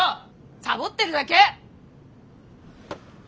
サボってるだけ！